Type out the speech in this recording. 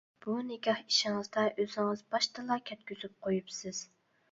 بۇ نىكاھ ئىشىڭىزدا ئۆزىڭىز باشتىلا كەتكۈزۈپ قويۇپسىز.